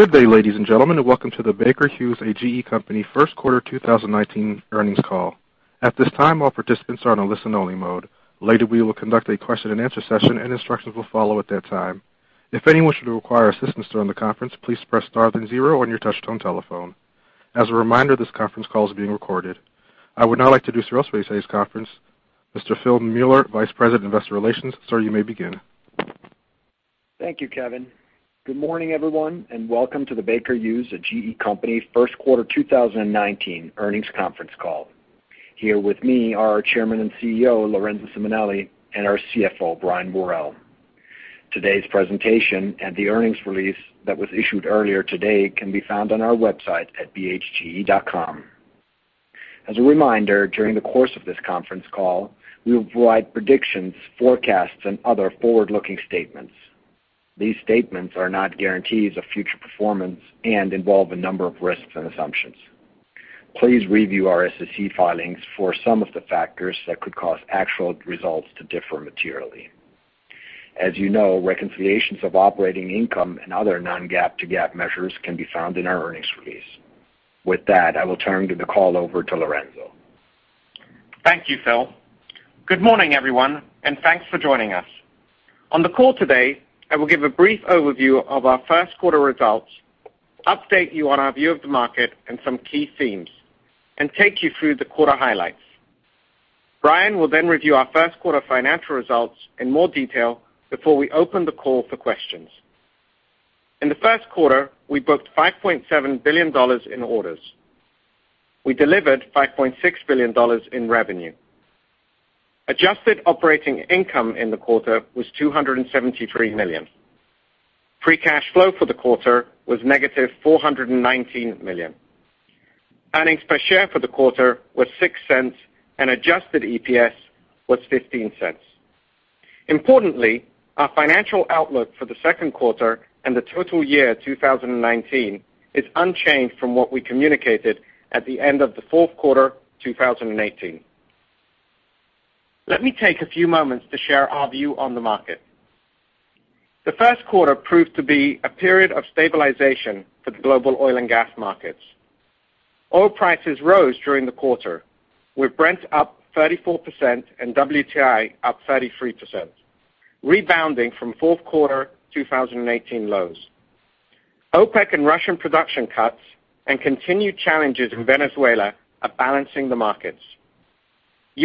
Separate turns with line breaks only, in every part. Good day, ladies and gentlemen, and welcome to the Baker Hughes, a GE company first quarter 2019 earnings call. At this time, all participants are on a listen only mode. Later, we will conduct a question and answer session, and instructions will follow at that time. If anyone should require assistance during the conference, please press star then zero on your touchtone telephone. As a reminder, this conference call is being recorded. I would now like to introduce the rest of today's conference, Mr. Philipp Mueller, Vice President Investor Relations. Sir, you may begin.
Thank you, Kevin. Good morning, everyone, and welcome to the Baker Hughes, a GE company first quarter 2019 earnings conference call. Here with me are our Chairman and CEO, Lorenzo Simonelli, and our CFO, Brian Worrell. Today's presentation and the earnings release that was issued earlier today can be found on our website at bhge.com. As a reminder, during the course of this conference call, we will provide predictions, forecasts, and other forward-looking statements. These statements are not guarantees of future performance and involve a number of risks and assumptions. Please review our SEC filings for some of the factors that could cause actual results to differ materially. As you know, reconciliations of operating income and other non-GAAP to GAAP measures can be found in our earnings release. With that, I will turn the call over to Lorenzo.
Thank you, Phil. Good morning, everyone, and thanks for joining us. On the call today, I will give a brief overview of our first quarter results, update you on our view of the market and some key themes, and take you through the quarter highlights. Brian will then review our first quarter financial results in more detail before we open the call for questions. In the first quarter, we booked $5.7 billion in orders. We delivered $5.6 billion in revenue. Adjusted operating income in the quarter was $273 million. Free cash flow for the quarter was negative $419 million. Earnings per share for the quarter was $0.06, and adjusted EPS was $0.15. Importantly, our financial outlook for the second quarter and the total year 2019 is unchanged from what we communicated at the end of the fourth quarter 2018. Let me take a few moments to share our view on the market. The first quarter proved to be a period of stabilization for the global oil and gas markets. Oil prices rose during the quarter, with Brent up 34% and WTI up 33%, rebounding from fourth quarter 2018 lows. OPEC and Russian production cuts and continued challenges in Venezuela are balancing the markets.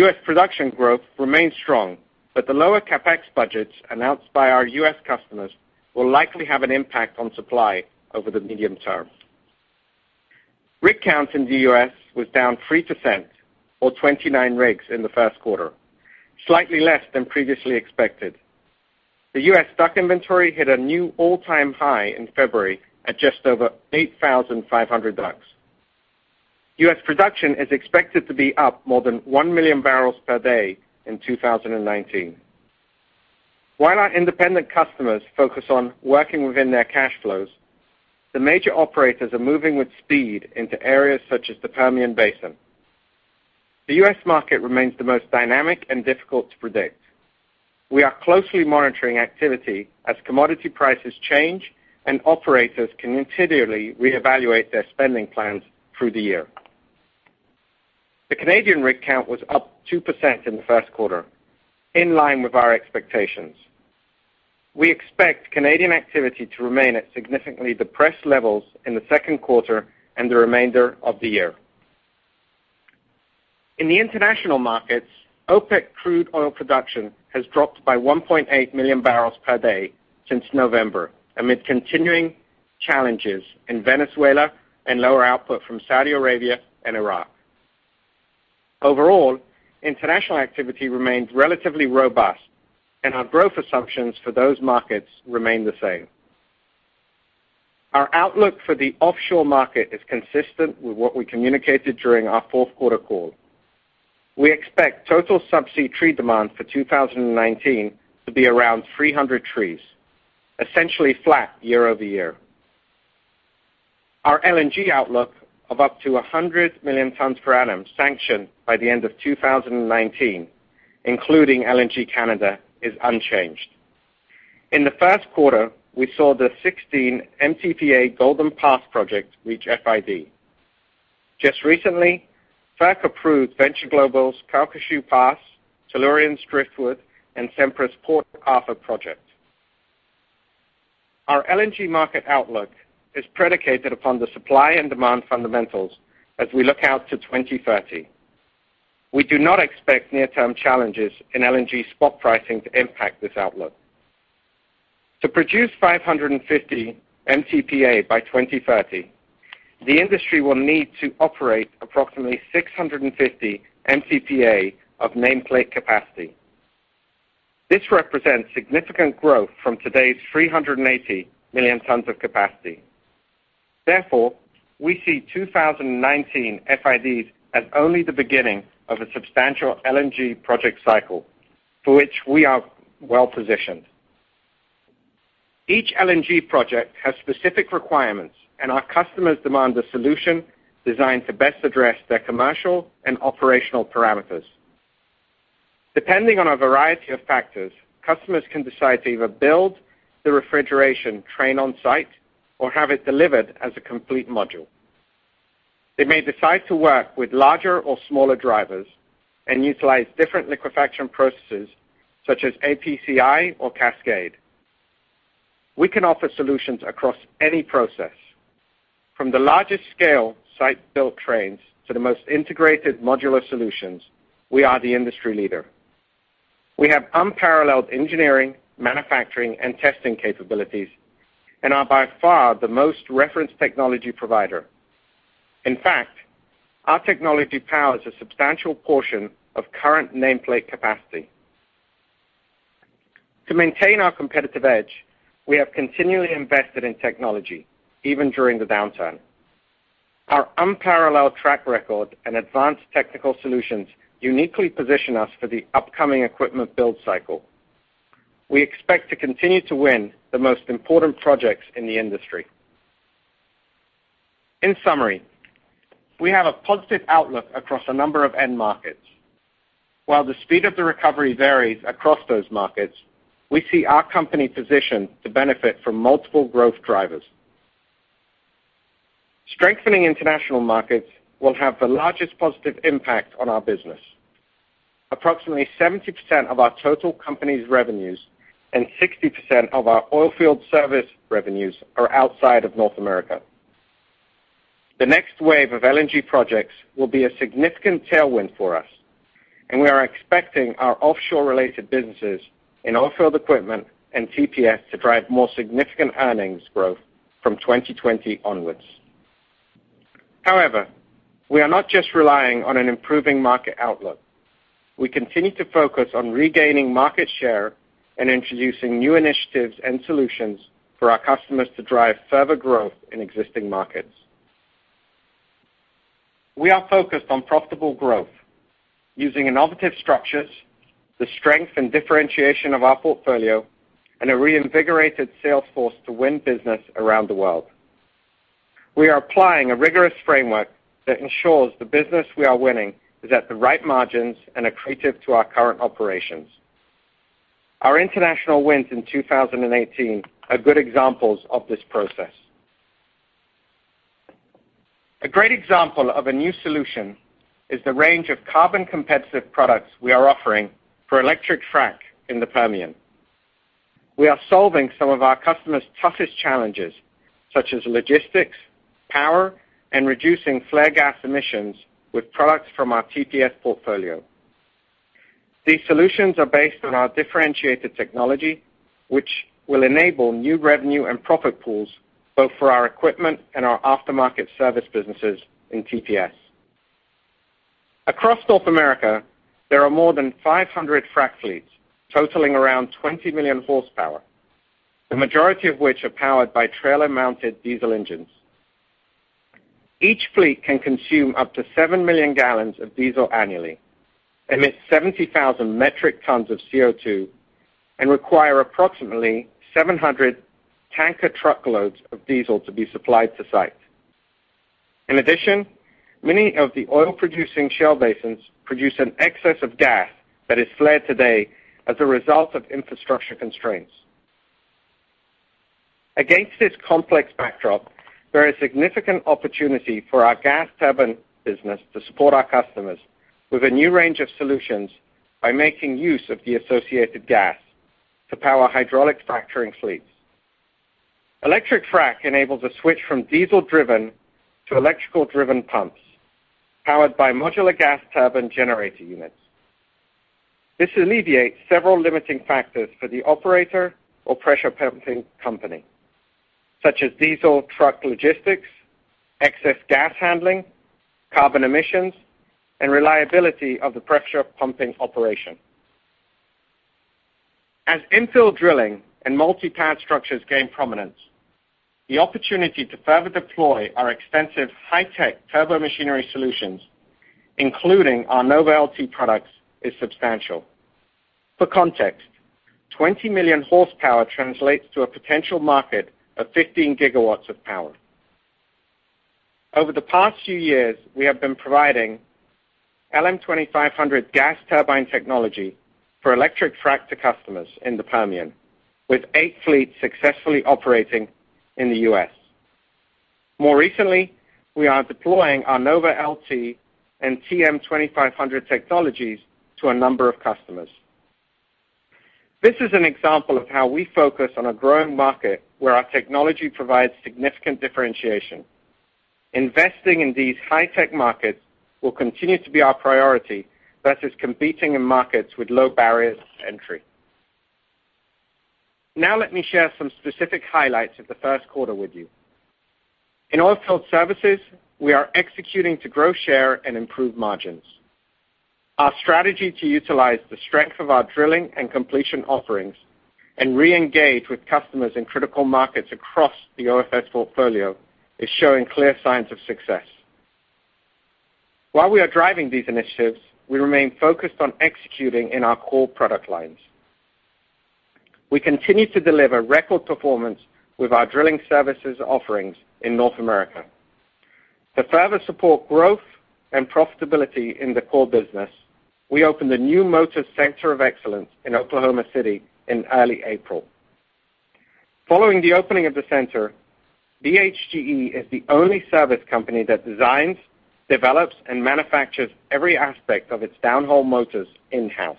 U.S. production growth remains strong, but the lower CapEx budgets announced by our U.S. customers will likely have an impact on supply over the medium term. Rig count in the U.S. was down 3% or 29 rigs in the first quarter, slightly less than previously expected. The U.S. stock inventory hit a new all-time high in February at just over 8,500 rigs. U.S. production is expected to be up more than 1 million barrels per day in 2019. While our independent customers focus on working within their cash flows, the major operators are moving with speed into areas such as the Permian Basin. The U.S. market remains the most dynamic and difficult to predict. We are closely monitoring activity as commodity prices change and operators continually reevaluate their spending plans through the year. The Canadian rig count was up 2% in the first quarter, in line with our expectations. We expect Canadian activity to remain at significantly depressed levels in the second quarter and the remainder of the year. In the international markets, OPEC crude oil production has dropped by 1.8 million barrels per day since November, amid continuing challenges in Venezuela and lower output from Saudi Arabia and Iraq. Overall, international activity remains relatively robust, and our growth assumptions for those markets remain the same. Our outlook for the offshore market is consistent with what we communicated during our fourth quarter call. We expect total subsea tree demand for 2019 to be around 300 trees, essentially flat year-over-year. Our LNG outlook of up to 100 million tons per annum sanctioned by the end of 2019, including LNG Canada, is unchanged. In the first quarter, we saw the 16 MTPA Golden Pass project reach FID. Just recently, FERC approved Venture Global's Calcasieu Pass, Tellurian's Driftwood, and Sempra's Port Arthur project. Our LNG market outlook is predicated upon the supply and demand fundamentals as we look out to 2030. We do not expect near-term challenges in LNG spot pricing to impact this outlook. To produce 550 MTPA by 2030, the industry will need to operate approximately 650 MTPA of nameplate capacity. This represents significant growth from today's 380 million tons of capacity. Therefore, we see 2019 FIDs as only the beginning of a substantial LNG project cycle, for which we are well-positioned. Each LNG project has specific requirements, and our customers demand a solution designed to best address their commercial and operational parameters. Depending on a variety of factors, customers can decide to either build the refrigeration train on site or have it delivered as a complete module. They may decide to work with larger or smaller drivers and utilize different liquefaction processes such as APCI or Cascade. We can offer solutions across any process. From the largest scale site build trains to the most integrated modular solutions, we are the industry leader. We have unparalleled engineering, manufacturing, and testing capabilities and are by far the most referenced technology provider. In fact, our technology powers a substantial portion of current nameplate capacity. To maintain our competitive edge, we have continually invested in technology even during the downturn. Our unparalleled track record and advanced technical solutions uniquely position us for the upcoming equipment build cycle. We expect to continue to win the most important projects in the industry. In summary, we have a positive outlook across a number of end markets. While the speed of the recovery varies across those markets, we see our company positioned to benefit from multiple growth drivers. Strengthening international markets will have the largest positive impact on our business. Approximately 70% of our total company's revenues and 60% of our Oilfield Services revenues are outside of North America. The next wave of LNG projects will be a significant tailwind for us, and we are expecting our offshore-related businesses in Oilfield Equipment and TPS to drive more significant earnings growth from 2020 onwards. However, we are not just relying on an improving market outlook. We continue to focus on regaining market share and introducing new initiatives and solutions for our customers to drive further growth in existing markets. We are focused on profitable growth using innovative structures, the strength and differentiation of our portfolio, and a reinvigorated sales force to win business around the world. We are applying a rigorous framework that ensures the business we are winning is at the right margins and accretive to our current operations. Our international wins in 2018 are good examples of this process. A great example of a new solution is the range of carbon competitive products we are offering for electric frac in the Permian. We are solving some of our customers' toughest challenges, such as logistics, power, and reducing flare gas emissions with products from our TPS portfolio. These solutions are based on our differentiated technology, which will enable new revenue and profit pools both for our equipment and our aftermarket service businesses in TPS. Across North America, there are more than 500 frac fleets totaling around 20 million horsepower, the majority of which are powered by trailer-mounted diesel engines. Each fleet can consume up to seven million gallons of diesel annually, emit 70,000 metric tons of CO2, and require approximately 700 tanker truckloads of diesel to be supplied to site. Many of the oil-producing shale basins produce an excess of gas that is flared today as a result of infrastructure constraints. Against this complex backdrop, there is significant opportunity for our gas turbine business to support our customers with a new range of solutions by making use of the associated gas to power hydraulic fracturing fleets. Electric frac enables a switch from diesel-driven to electrical-driven pumps powered by modular gas turbine generator units. This alleviates several limiting factors for the operator or pressure pumping company, such as diesel truck logistics, excess gas handling, carbon emissions, and reliability of the pressure pumping operation. As infill drilling and multi-pad structures gain prominence, the opportunity to further deploy our extensive high-tech turbomachinery solutions, including our NovaLT products, is substantial. For context, 20 million horsepower translates to a potential market of 15 gigawatts of power. Over the past few years, we have been providing LM2500 gas turbine technology for electric frac to customers in the Permian, with eight fleets successfully operating in the U.S. More recently, we are deploying our NovaLT and TM2500 technologies to a number of customers. This is an example of how we focus on a growing market where our technology provides significant differentiation. Investing in these high-tech markets will continue to be our priority versus competing in markets with low barriers to entry. Let me share some specific highlights of the first quarter with you. In Oilfield Services, we are executing to grow share and improve margins. Our strategy to utilize the strength of our drilling and completion offerings and reengage with customers in critical markets across the OFS portfolio is showing clear signs of success. While we are driving these initiatives, we remain focused on executing in our core product lines. We continue to deliver record performance with our drilling services offerings in North America. To further support growth and profitability in the core business, we opened a new motor center of excellence in Oklahoma City in early April. Following the opening of the center, BHGE is the only service company that designs, develops, and manufactures every aspect of its downhole motors in-house.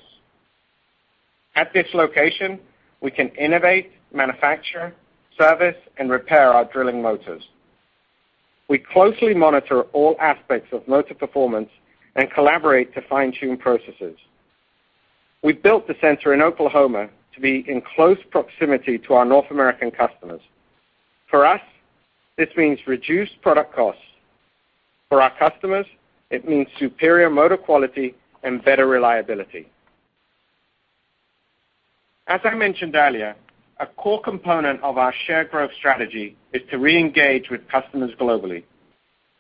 At this location, we can innovate, manufacture, service, and repair our drilling motors. We closely monitor all aspects of motor performance and collaborate to fine-tune processes. We built the center in Oklahoma to be in close proximity to our North American customers. For us, this means reduced product costs. For our customers, it means superior motor quality and better reliability. As I mentioned earlier, a core component of our shared growth strategy is to re-engage with customers globally,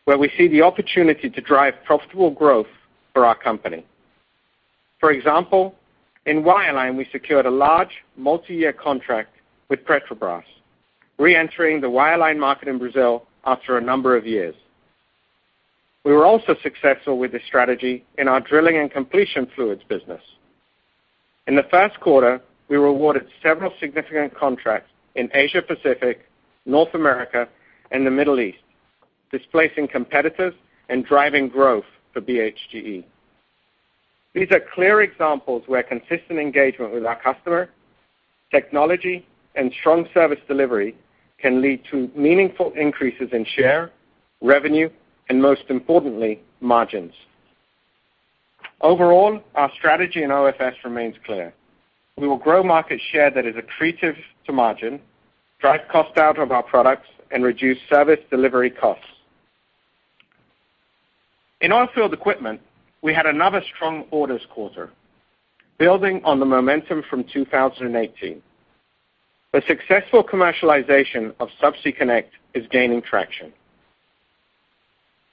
where we see the opportunity to drive profitable growth for our company. For example, in wireline, we secured a large multi-year contract with Petrobras, re-entering the wireline market in Brazil after a number of years. We were also successful with this strategy in our drilling and completion fluids business. In the first quarter, we were awarded several significant contracts in Asia Pacific, North America, and the Middle East, displacing competitors and driving growth for BHGE. These are clear examples where consistent engagement with our customer, technology, and strong service delivery can lead to meaningful increases in share, revenue, and most importantly, margins. Overall, our strategy in OFS remains clear. We will grow market share that is accretive to margin, drive cost out of our products, and reduce service delivery costs. In Oilfield Equipment, we had another strong orders quarter, building on the momentum from 2018. The successful commercialization of Subsea Connect is gaining traction.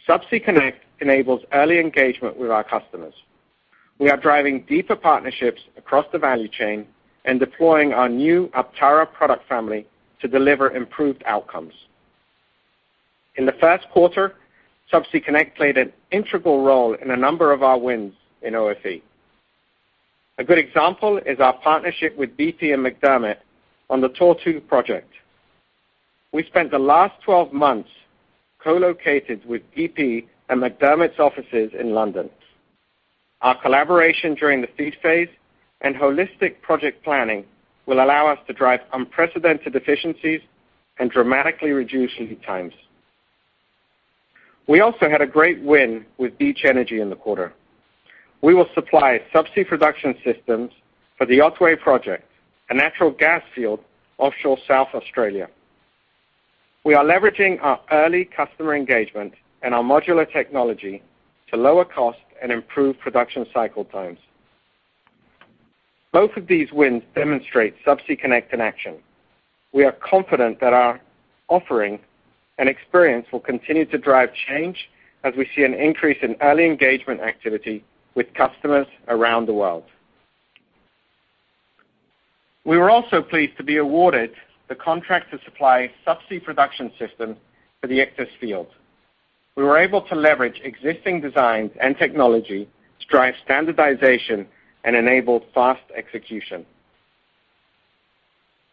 Subsea Connect enables early engagement with our customers. We are driving deeper partnerships across the value chain and deploying our new Aptara product family to deliver improved outcomes. In the first quarter, Subsea Connect played an integral role in a number of our wins in OFE. A good example is our partnership with BP and McDermott on the Tortue project. We spent the last 12 months co-located with BP and McDermott's offices in London. Our collaboration during the feed phase and holistic project planning will allow us to drive unprecedented efficiencies and dramatically reduce lead times. We also had a great win with Beach Energy in the quarter. We will supply subsea production systems for the Otway project, a natural gas field offshore South Australia. We are leveraging our early customer engagement and our modular technology to lower cost and improve production cycle times. Both of these wins demonstrate Subsea Connect in action. We are confident that our offering and experience will continue to drive change as we see an increase in early engagement activity with customers around the world. We were also pleased to be awarded the contract to supply subsea production system for the Ichthys field. We were able to leverage existing designs and technology to drive standardization and enable fast execution.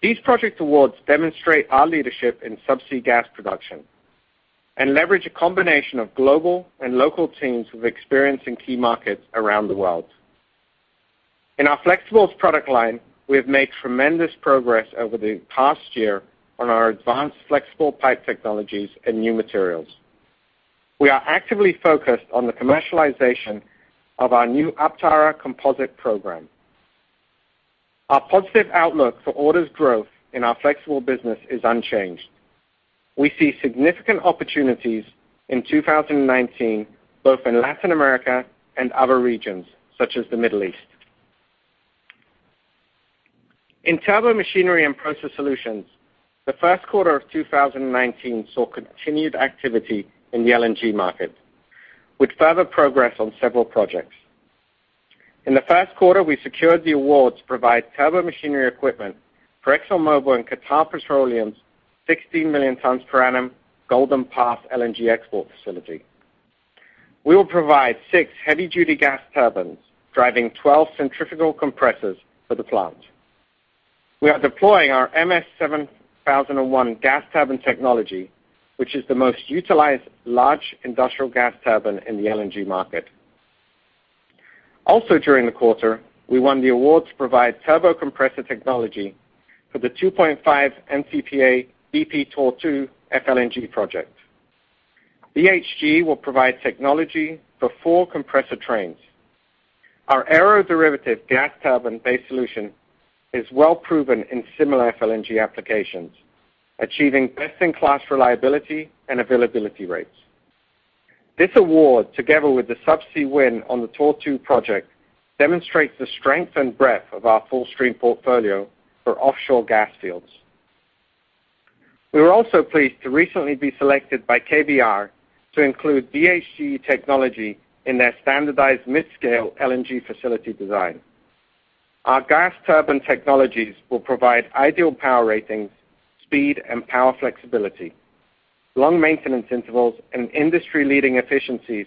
These project awards demonstrate our leadership in subsea gas production and leverage a combination of global and local teams with experience in key markets around the world. In our flexibles product line, we have made tremendous progress over the past year on our advanced flexible pipe technologies and new materials. We are actively focused on the commercialization of our new Aptara composite program. Our positive outlook for orders growth in our flexible business is unchanged. We see significant opportunities in 2019, both in Latin America and other regions, such as the Middle East. In Turbomachinery & Process Solutions, the first quarter of 2019 saw continued activity in the LNG market, with further progress on several projects. In the first quarter, we secured the award to provide turbomachinery equipment for ExxonMobil and Qatar Petroleum's 16 MTPA Golden Pass LNG export facility. We will provide 6 heavy-duty gas turbines driving 12 centrifugal compressors for the plant. We are deploying our MS7001 gas turbine technology, which is the most utilized large industrial gas turbine in the LNG market. During the quarter, we won the award to provide turbocompressor technology for the 2.5 MCFA BP Tortue FLNG project. BHGE will provide technology for 4 compressor trains. Our aeroderivative gas turbine-based solution is well proven in similar FLNG applications, achieving best-in-class reliability and availability rates. This award, together with the subsea win on the Tortue project, demonstrates the strength and breadth of our full stream portfolio for offshore gas fields. We were also pleased to recently be selected by KBR to include BHGE technology in their standardized mid-scale LNG facility design. Our gas turbine technologies will provide ideal power ratings, speed and power flexibility, long maintenance intervals, and industry-leading efficiencies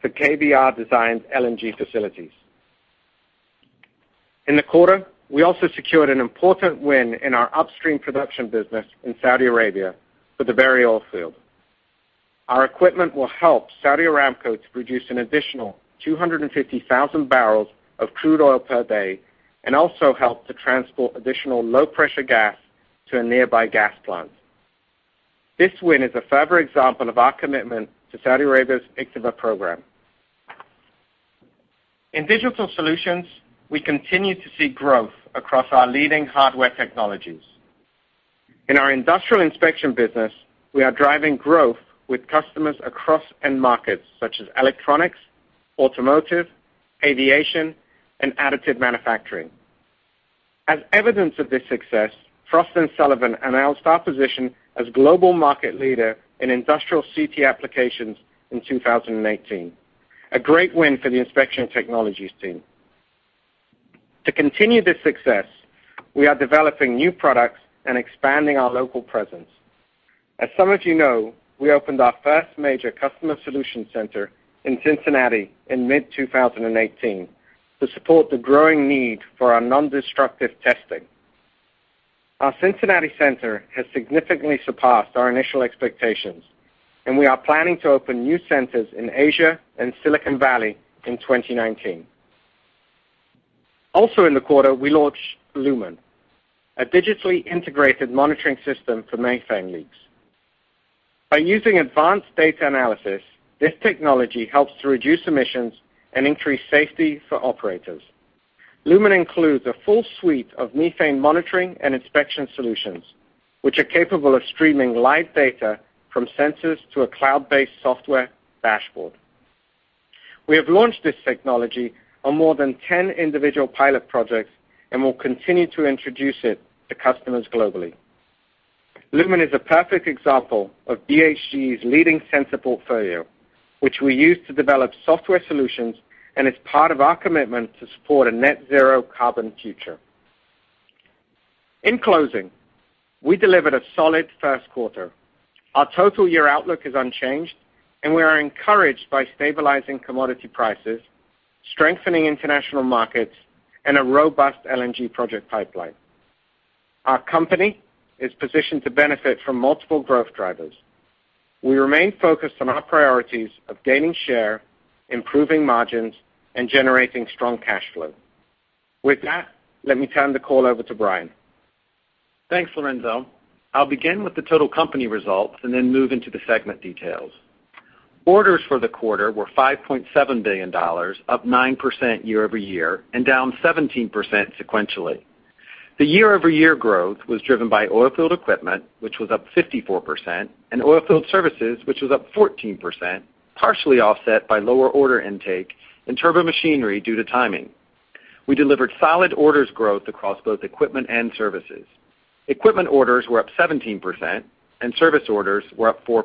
for KBR-designed LNG facilities. In the quarter, we also secured an important win in our Upstream Production business in Saudi Arabia for the Berri Oil Field. Our equipment will help Saudi Aramco to produce an additional 250,000 barrels of crude oil per day, and also help to transport additional low-pressure gas to a nearby gas plant. This win is a further example of our commitment to Saudi Arabia's IKTVA program. In Digital Solutions, we continue to see growth across our leading hardware technologies. In our Industrial Inspection business, we are driving growth with customers across end markets such as electronics, automotive, aviation, and additive manufacturing. As evidence of this success, Frost & Sullivan announced our position as global market leader in industrial CT applications in 2018, a great win for the Inspection Technologies team. To continue this success, we are developing new products and expanding our local presence. As some of you know, we opened our first major customer solution center in Cincinnati in mid-2018 to support the growing need for our nondestructive testing. Our Cincinnati center has significantly surpassed our initial expectations, and we are planning to open new centers in Asia and Silicon Valley in 2019. Also in the quarter, we launched LUMEN, a digitally integrated monitoring system for methane leaks. By using advanced data analysis, this technology helps to reduce emissions and increase safety for operators. LUMEN includes a full suite of methane monitoring and inspection solutions, which are capable of streaming live data from sensors to a cloud-based software dashboard. We have launched this technology on more than 10 individual pilot projects and will continue to introduce it to customers globally. LUMEN is a perfect example of BHGE's leading sensor portfolio, which we use to develop software solutions, and is part of our commitment to support a net zero carbon future. In closing, we delivered a solid first quarter. Our total year outlook is unchanged, and we are encouraged by stabilizing commodity prices, strengthening international markets, and a robust LNG project pipeline. Our company is positioned to benefit from multiple growth drivers. We remain focused on our priorities of gaining share, improving margins, and generating strong cash flow. With that, let me turn the call over to Brian.
Thanks, Lorenzo. I'll begin with the total company results and then move into the segment details. Orders for the quarter were $5.7 billion, up 9% year-over-year and down 17% sequentially. The year-over-year growth was driven by Oilfield Equipment, which was up 54%, and Oilfield Services, which was up 14%, partially offset by lower order intake in Turbomachinery due to timing. We delivered solid orders growth across both equipment and services. Equipment orders were up 17% and service orders were up 4%.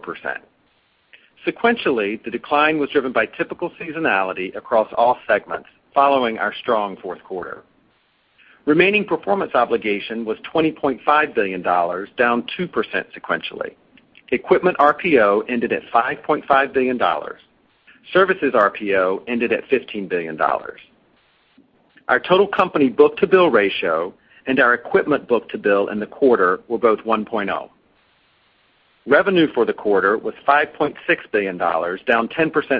Sequentially, the decline was driven by typical seasonality across all segments following our strong fourth quarter. Remaining Performance Obligation was $20.5 billion, down 2% sequentially. Equipment RPO ended at $5.5 billion. Services RPO ended at $15 billion. Our total company book-to-bill ratio and our equipment book-to-bill in the quarter were both 1.0. Revenue for the quarter was $5.6 billion, down 10%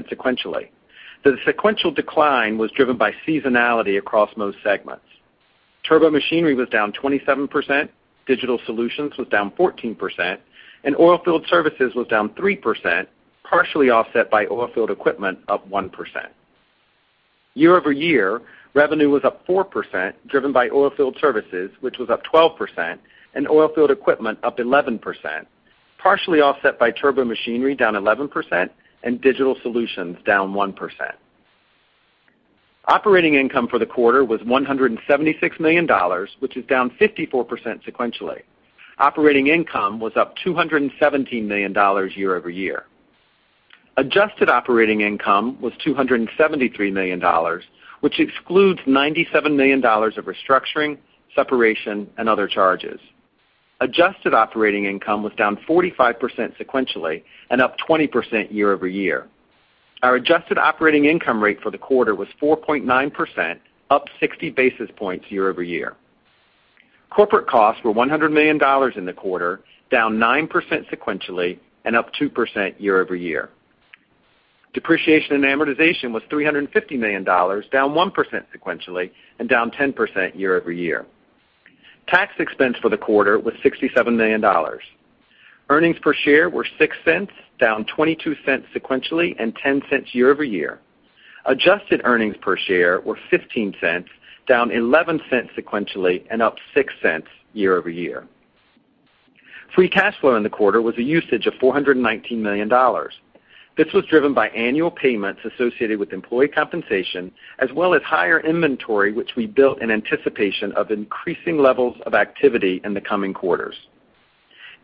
sequentially. The sequential decline was driven by seasonality across most segments. Turbomachinery was down 27%, Digital Solutions was down 14%, and Oilfield Services was down 3%, partially offset by Oilfield Equipment up 1%. Year-over-year, revenue was up 4%, driven by Oilfield Services, which was up 12%, and Oilfield Equipment up 11%, partially offset by Turbomachinery down 11% and Digital Solutions down 1%. Operating income for the quarter was $176 million, which is down 54% sequentially. Operating income was up $217 million year-over-year. Adjusted operating income was $273 million, which excludes $97 million of restructuring, separation, and other charges. Adjusted operating income was down 45% sequentially and up 20% year-over-year. Our adjusted operating income rate for the quarter was 4.9%, up 60 basis points year-over-year. Corporate costs were $100 million in the quarter, down 9% sequentially and up 2% year-over-year. Depreciation and amortization was $350 million, down 1% sequentially and down 10% year-over-year. Tax expense for the quarter was $67 million. Earnings per share were $0.06, down $0.22 sequentially and $0.10 year-over-year. Adjusted earnings per share were $0.15, down $0.11 sequentially and up $0.06 year-over-year. Free cash flow in the quarter was a usage of $419 million. This was driven by annual payments associated with employee compensation, as well as higher inventory, which we built in anticipation of increasing levels of activity in the coming quarters.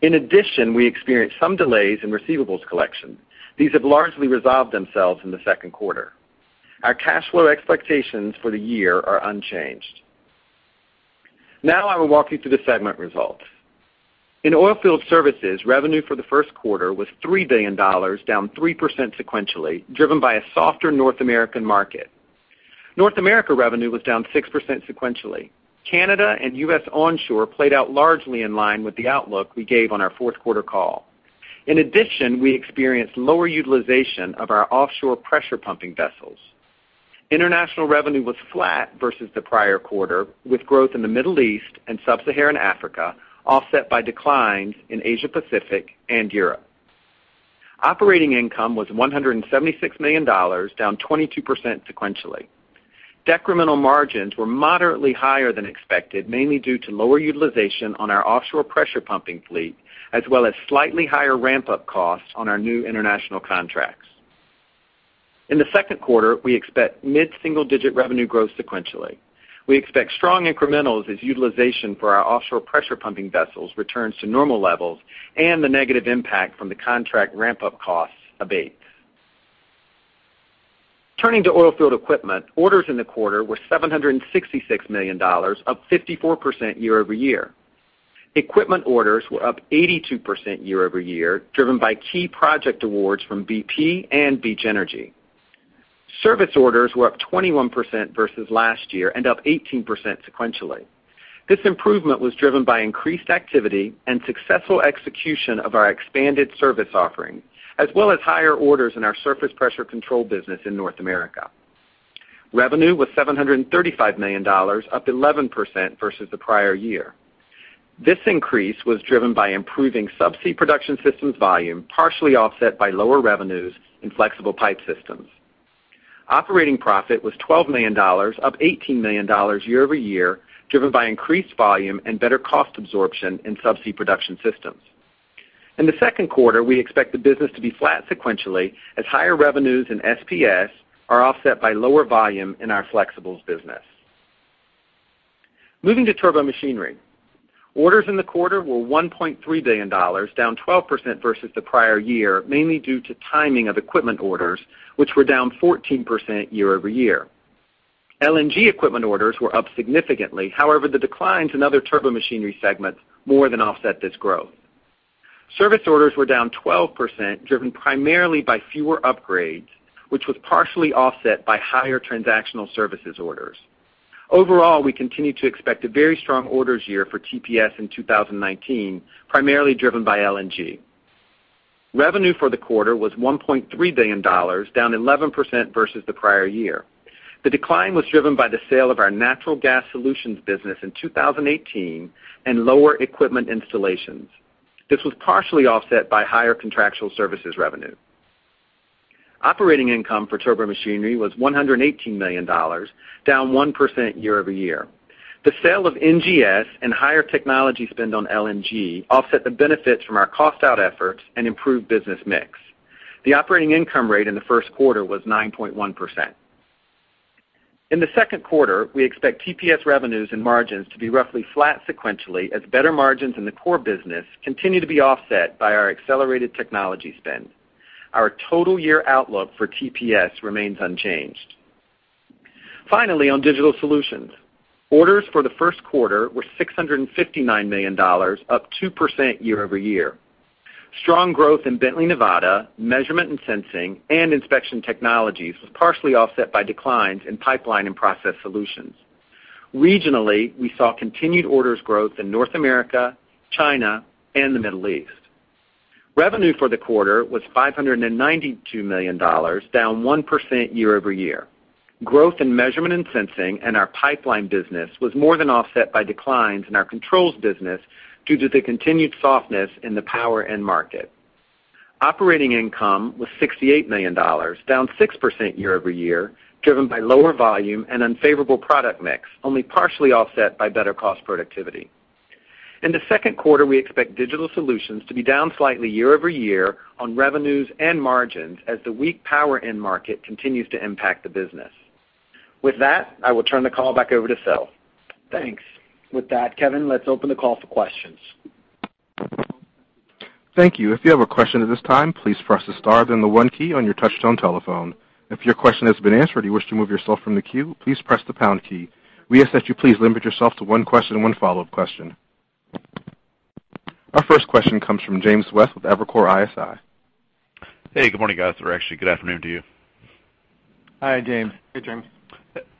In addition, we experienced some delays in receivables collection. These have largely resolved themselves in the second quarter. Our cash flow expectations for the year are unchanged. Now I will walk you through the segment results. In Oilfield Services, revenue for the first quarter was $3 billion, down 3% sequentially, driven by a softer North American market. North America revenue was down 6% sequentially. Canada and U.S. onshore played out largely in line with the outlook we gave on our fourth quarter call. In addition, we experienced lower utilization of our offshore pressure pumping vessels. International revenue was flat versus the prior quarter, with growth in the Middle East and Sub-Saharan Africa offset by declines in Asia Pacific and Europe. Operating income was $176 million, down 22% sequentially. Decremental margins were moderately higher than expected, mainly due to lower utilization on our offshore pressure pumping fleet, as well as slightly higher ramp-up costs on our new international contracts. In the second quarter, we expect mid-single-digit revenue growth sequentially. We expect strong incrementals as utilization for our offshore pressure pumping vessels returns to normal levels and the negative impact from the contract ramp-up costs abates. Turning to Oilfield Equipment, orders in the quarter were $766 million, up 54% year-over-year. Equipment orders were up 82% year-over-year, driven by key project awards from BP and Beach Energy. Service orders were up 21% versus last year and up 18% sequentially. This improvement was driven by increased activity and successful execution of our expanded service offering, as well as higher orders in our surface pressure control business in North America. Revenue was $735 million, up 11% versus the prior year. This increase was driven by improving subsea production systems volume, partially offset by lower revenues in flexible pipe systems. Operating profit was $12 million, up $18 million year-over-year, driven by increased volume and better cost absorption in subsea production systems. In the second quarter, we expect the business to be flat sequentially as higher revenues in SPS are offset by lower volume in our flexibles business. Moving to Turbomachinery. Orders in the quarter were $1.3 billion, down 12% versus the prior year, mainly due to timing of equipment orders, which were down 14% year-over-year. LNG equipment orders were up significantly. The declines in other Turbomachinery segments more than offset this growth. Service orders were down 12%, driven primarily by fewer upgrades, which was partially offset by higher transactional services orders. Overall, we continue to expect a very strong orders year for TPS in 2019, primarily driven by LNG. Revenue for the quarter was $1.3 billion, down 11% versus the prior year. The decline was driven by the sale of our Natural Gas Solutions business in 2018 and lower equipment installations. This was partially offset by higher contractual services revenue. Operating income for Turbomachinery was $118 million, down 1% year-over-year. The sale of NGS and higher technology spend on LNG offset the benefits from our cost-out efforts and improved business mix. The operating income rate in the first quarter was 9.1%. In the second quarter, we expect TPS revenues and margins to be roughly flat sequentially as better margins in the core business continue to be offset by our accelerated technology spend. Our total year outlook for TPS remains unchanged. Finally, on Digital Solutions. Orders for the first quarter were $659 million, up 2% year-over-year. Strong growth in Bently Nevada, measurement and sensing, and inspection technologies was partially offset by declines in pipeline and process solutions. Regionally, we saw continued orders growth in North America, China, and the Middle East. Revenue for the quarter was $592 million, down 1% year-over-year. Growth in measurement and sensing and our pipeline business was more than offset by declines in our controls business due to the continued softness in the power end market. Operating income was $68 million, down 6% year-over-year, driven by lower volume and unfavorable product mix, only partially offset by better cost productivity. In the second quarter, we expect Digital Solutions to be down slightly year-over-year on revenues and margins as the weak power end market continues to impact the business. With that, I will turn the call back over to Phil.
Thanks. With that, Kevin, let's open the call for questions.
Thank you. If you have a question at this time, please press the star then the 1 key on your touchtone telephone. If your question has been answered or you wish to remove yourself from the queue, please press the pound key. We ask that you please limit yourself to one question and one follow-up question. Our first question comes from James West with Evercore ISI.
Hey, good morning, guys, or actually good afternoon to you.
Hi, James.
Hey, James.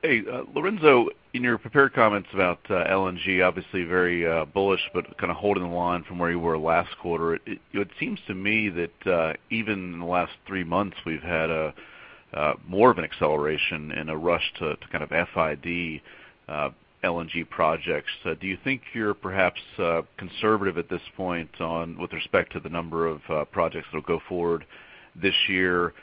Hey, Lorenzo, in your prepared comments about LNG, obviously very bullish, but kind of holding the line from where you were last quarter. It seems to me that even in the last three months, we've had more of an acceleration and a rush to kind of FID LNG projects. Do you think you're perhaps conservative at this point with respect to the number of projects that'll go forward this year?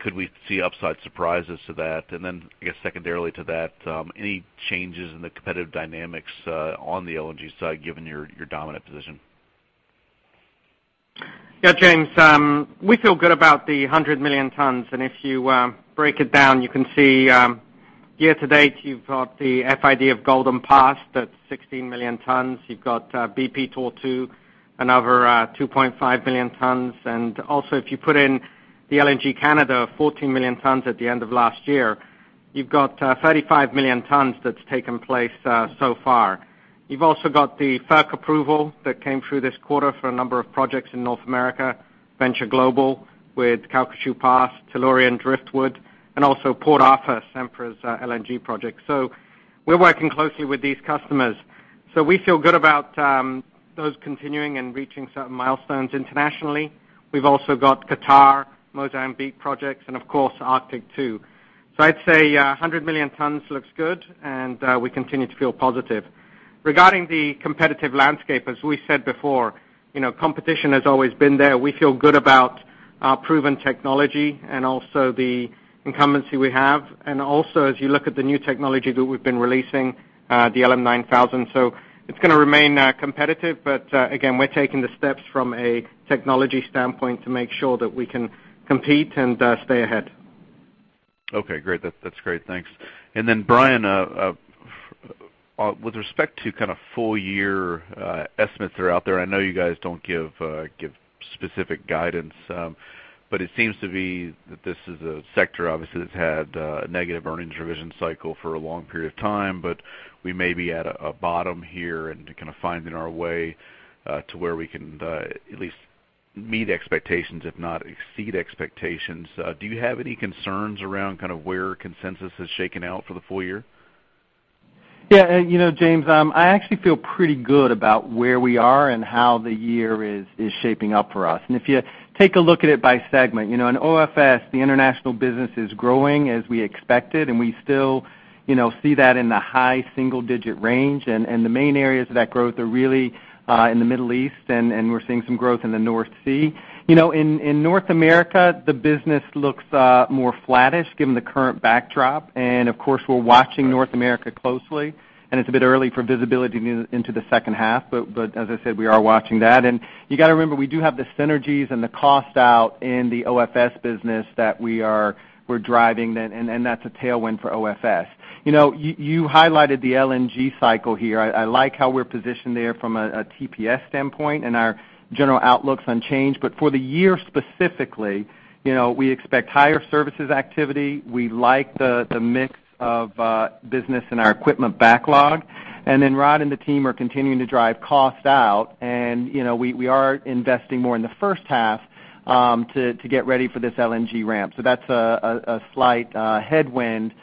Could we see upside surprises to that? Then I guess secondarily to that, any changes in the competitive dynamics on the LNG side, given your dominant position?
Yeah, James, we feel good about the 100 million tons. If you break it down, you can see year to date, you've got the FID of Golden Pass, that's 16 million tons. You've got BP Tortue, another 2.5 million tons. Also, if you put in the LNG Canada, 14 million tons at the end of last year, you've got 35 million tons that's taken place so far. You've also got the FERC approval that came through this quarter for a number of projects in North America, Venture Global with Calcasieu Pass, Tellurian Driftwood, and also Port Arthur, Sempra's LNG project. We're working closely with these customers. We feel good about those continuing and reaching certain milestones internationally. We've also got Qatar, Mozambique projects, and of course, Arctic 2. I'd say 100 million tons looks good, we continue to feel positive. Regarding the competitive landscape, as we said before, competition has always been there. We feel good about our proven technology and also the incumbency we have. As you look at the new technology that we've been releasing, the LM9000. It's going to remain competitive, but again, we're taking the steps from a technology standpoint to make sure that we can compete and stay ahead.
Okay, great. That's great. Thanks. Brian, with respect to kind of full year estimates that are out there, I know you guys don't give specific guidance, but it seems to be that this is a sector, obviously, that's had a negative earnings revision cycle for a long period of time. We may be at a bottom here and kind of finding our way to where we can at least meet expectations, if not exceed expectations. Do you have any concerns around kind of where consensus has shaken out for the full year?
Yeah, James, I actually feel pretty good about where we are and how the year is shaping up for us. If you take a look at it by segment, in OFS, the international business is growing as we expected, and we still see that in the high single-digit range. The main areas of that growth are really in the Middle East, and we're seeing some growth in the North Sea. In North America, the business looks more flattish given the current backdrop. Of course, we're watching North America closely, and it's a bit early for visibility into the second half. As I said, we are watching that. You got to remember, we do have the synergies and the cost out in the OFS business that we're driving, and that's a tailwind for OFS. You highlighted the LNG cycle here. I like how we're positioned there from a TPS standpoint and our general outlook's unchanged. For the year specifically, we expect higher services activity. We like the mix of business in our equipment backlog. Rod and the team are continuing to drive cost out, and we are investing more in the first half to get ready for this LNG ramp. That's a slight headwind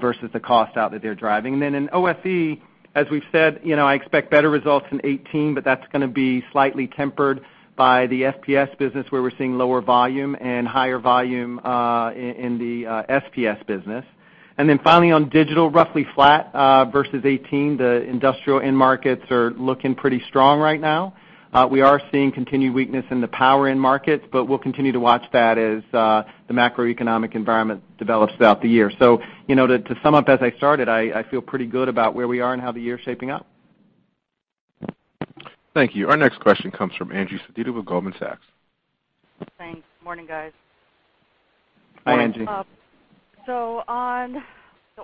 versus the cost out that they're driving. In OFE, as we've said, I expect better results in 2018, but that's going to be slightly tempered by the FPS business where we're seeing lower volume and higher volume in the SPS business. Finally on digital, roughly flat versus 2018. The industrial end markets are looking pretty strong right now. We are seeing continued weakness in the power end markets, we'll continue to watch that as the macroeconomic environment develops throughout the year. To sum up as I started, I feel pretty good about where we are and how the year's shaping up.
Thank you. Our next question comes from Angie Sedita with Goldman Sachs.
Thanks. Morning, guys.
Hi, Angie.
Morning.
On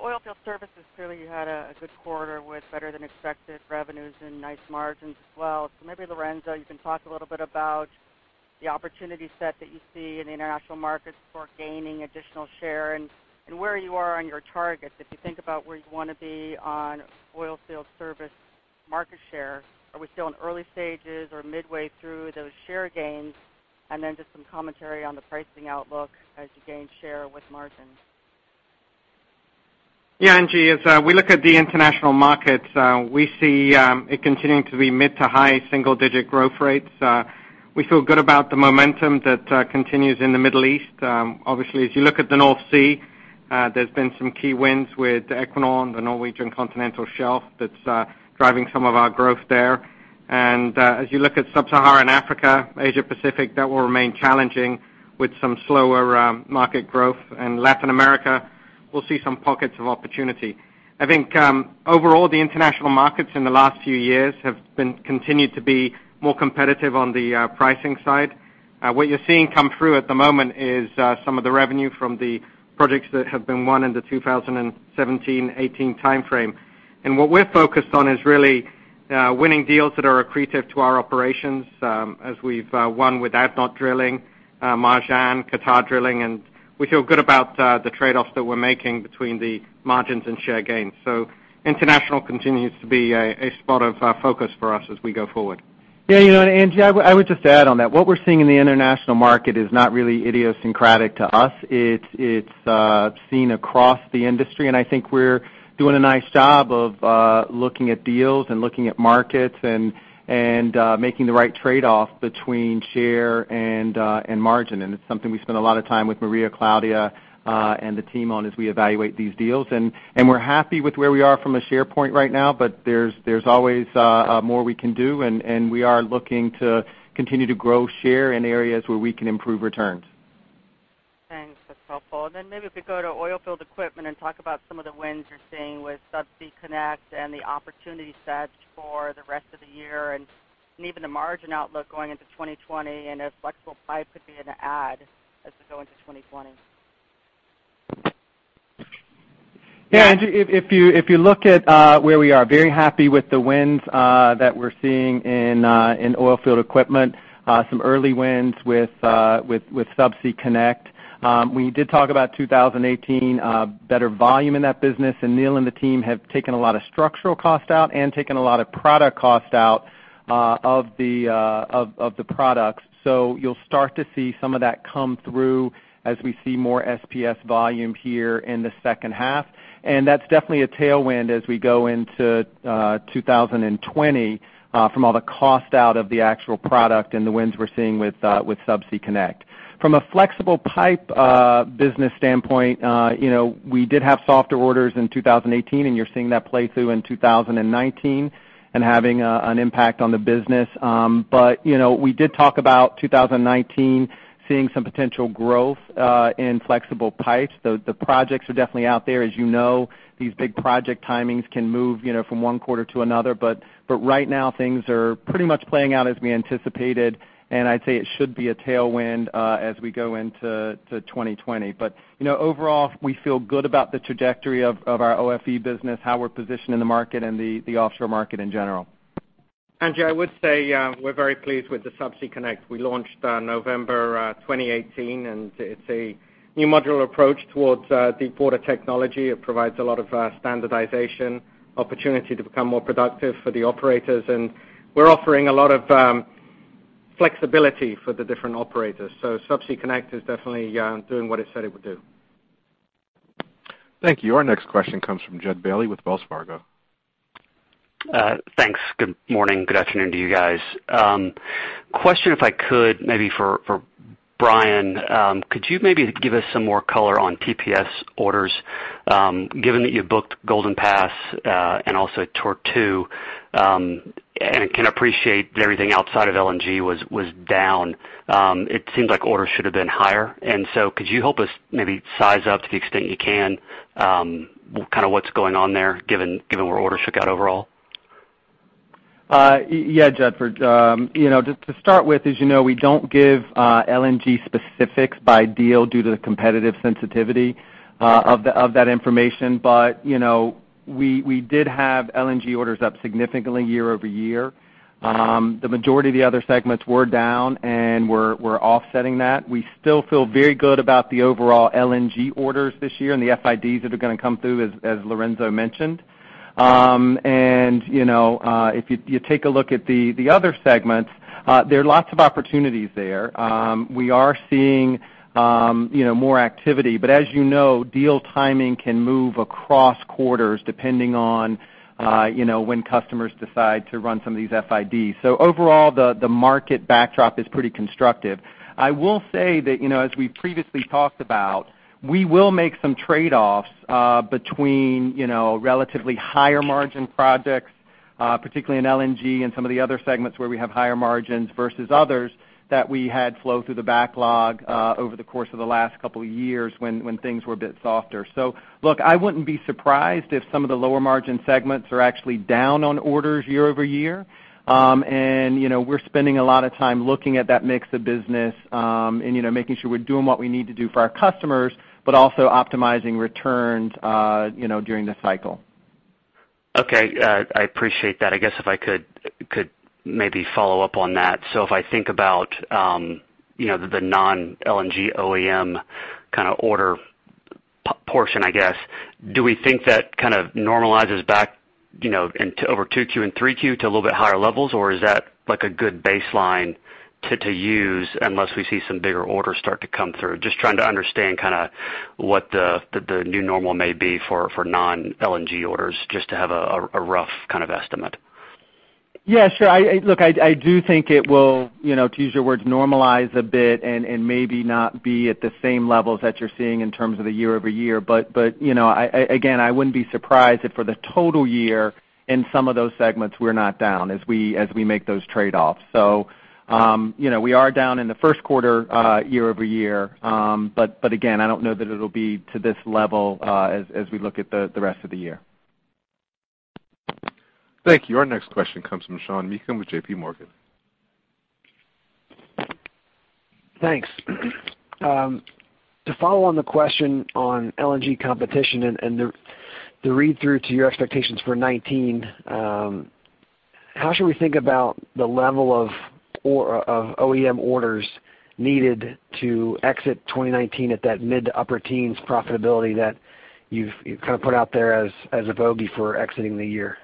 the oilfield services, clearly you had a good quarter with better than expected revenues and nice margins as well. Maybe Lorenzo, you can talk a little bit about the opportunity set that you see in the international markets for gaining additional share and where you are on your targets. If you think about where you want to be on oilfield service market share, are we still in early stages or midway through those share gains? Just some commentary on the pricing outlook as you gain share with margins.
Yeah, Angie, as we look at the international markets, we see it continuing to be mid to high single-digit growth rates. We feel good about the momentum that continues in the Middle East. Obviously, as you look at the North Sea, there's been some key wins with Equinor on the Norwegian continental shelf that's driving some of our growth there. As you look at Sub-Saharan Africa, Asia Pacific, that will remain challenging with some slower market growth. In Latin America, we'll see some pockets of opportunity. I think overall, the international markets in the last few years have continued to be more competitive on the pricing side. What you're seeing come through at the moment is some of the revenue from the projects that have been won in the 2017-18 timeframe. What we're focused on is really winning deals that are accretive to our operations as we've won with ADNOC Drilling, Marjan, Qatar Drilling, and we feel good about the trade-offs that we're making between the margins and share gains. International continues to be a spot of focus for us as we go forward.
Yeah, Angie, I would just add on that. What we're seeing in the international market is not really idiosyncratic to us. It's seen across the industry, and I think we're doing a nice job of looking at deals and looking at markets and making the right trade-off between share and margin. It's something we spend a lot of time with Maria Claudia and the team on as we evaluate these deals. We're happy with where we are from a share point right now, but there's always more we can do, and we are looking to continue to grow share in areas where we can improve returns.
Thanks. That's helpful. Maybe if we go to Oilfield Equipment and talk about some of the wins you're seeing with Subsea Connect and the opportunity sets for the rest of the year, even the margin outlook going into 2020, and if flexible pipe could be an add as we go into 2020.
Yeah, Angie, if you look at where we are, very happy with the wins that we're seeing in Oilfield Equipment. Some early wins with Subsea Connect. We did talk about 2018, better volume in that business, Neil and the team have taken a lot of structural cost out and taken a lot of product cost out of the products. You'll start to see some of that come through as we see more SPS volume here in the second half. That's definitely a tailwind as we go into 2020 from all the cost out of the actual product and the wins we're seeing with Subsea Connect. From a flexible pipe business standpoint, we did have softer orders in 2018, and you're seeing that play through in 2019 and having an impact on the business. We did talk about 2019 seeing some potential growth in flexible pipes. The projects are definitely out there. As you know, these big project timings can move from one quarter to another. Right now things are pretty much playing out as we anticipated, and I'd say it should be a tailwind as we go into 2020. Overall, we feel good about the trajectory of our OFE business, how we're positioned in the market, and the offshore market in general.
Angie, I would say we're very pleased with the Subsea Connect we launched November 2018. It's a new modular approach towards deepwater technology. It provides a lot of standardization opportunity to become more productive for the operators, we're offering a lot of flexibility for the different operators. Subsea Connect is definitely doing what it said it would do.
Thank you. Our next question comes from Jud Bailey with Wells Fargo.
Thanks. Good morning. Good afternoon to you guys. Question, if I could, maybe for Brian. Could you maybe give us some more color on TPS orders, given that you booked Golden Pass, and also Tortue, and can appreciate that everything outside of LNG was down? It seems like orders should have been higher. Could you help us maybe size up to the extent you can, what's going on there given where orders shook out overall?
Yeah, Jud. To start with, as you know, we don't give LNG specifics by deal due to the competitive sensitivity of that information. We did have LNG orders up significantly year-over-year. The majority of the other segments were down, and we're offsetting that. We still feel very good about the overall LNG orders this year and the FIDs that are going to come through, as Lorenzo mentioned. If you take a look at the other segments, there are lots of opportunities there. We are seeing more activity, but as you know, deal timing can move across quarters depending on when customers decide to run some of these FIDs. Overall, the market backdrop is pretty constructive. I will say that, as we previously talked about, we will make some trade-offs between relatively higher margin projects, particularly in LNG and some of the other segments where we have higher margins versus others that we had flow through the backlog over the course of the last couple of years when things were a bit softer. Look, I wouldn't be surprised if some of the lower margin segments are actually down on orders year-over-year. We're spending a lot of time looking at that mix of business, and making sure we're doing what we need to do for our customers, but also optimizing returns during the cycle.
Okay. I appreciate that. I guess if I could maybe follow up on that. If I think about the non-LNG OEM order portion, I guess, do we think that kind of normalizes back over 2Q and 3Q to a little bit higher levels, or is that like a good baseline to use unless we see some bigger orders start to come through? Just trying to understand what the new normal may be for non-LNG orders, just to have a rough kind of estimate.
Yeah, sure. Look, I do think it will, to use your words, normalize a bit and maybe not be at the same levels that you're seeing in terms of the year-over-year. Again, I wouldn't be surprised if for the total year in some of those segments, we're not down as we make those trade-offs. We are down in the first quarter year-over-year. Again, I don't know that it'll be to this level as we look at the rest of the year.
Thank you. Our next question comes from Sean Meakim with J.P. Morgan.
Thanks. To follow on the question on LNG competition and the read-through to your expectations for 2019, how should we think about the level of OEM orders needed to exit 2019 at that mid to upper teens profitability that you've kind of put out there as a bogey for exiting the year?